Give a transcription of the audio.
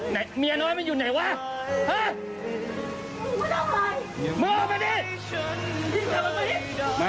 มันโกหกหนูอ่ะพี่